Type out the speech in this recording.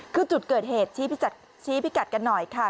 คือจุดเกิดเหตุชี้พิกัดกันหน่อยค่ะ